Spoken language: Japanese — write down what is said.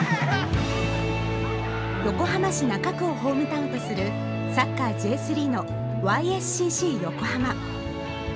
横浜市中区をホームタウンとするサッカーのＪ３のＹ．Ｓ．Ｃ．Ｃ．横浜。